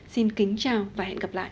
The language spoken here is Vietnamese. xin kính chào và hẹn gặp lại